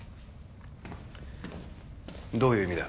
どういう意味だ？